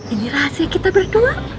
ini rahasia kita berdua